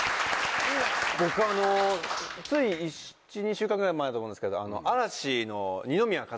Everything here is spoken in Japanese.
僕つい１２週間ぐらい前だと思うんですけど。